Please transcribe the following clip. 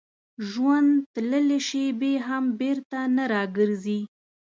ژوند تللې شېبې هم بېرته نه راګرځي.